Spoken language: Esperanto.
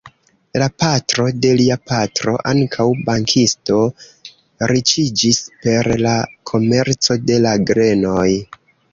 La patro de lia patro, ankaŭ bankisto, riĉiĝis per la komerco de la grenoj.